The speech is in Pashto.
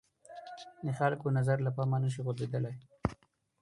د خلکو نظر له پامه نه شي غورځېدلای